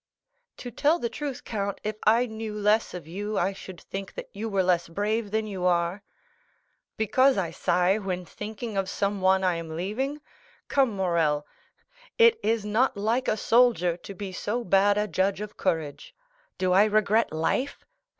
"To tell the truth, count, if I knew less of you, I should think that you were less brave than you are." "Because I sigh when thinking of someone I am leaving? Come, Morrel, it is not like a soldier to be so bad a judge of courage. Do I regret life?